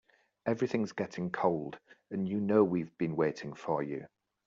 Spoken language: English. Everything's getting cold and you know we've been waiting for you.